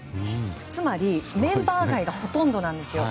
つまり、メンバー外がほとんどなんですよ。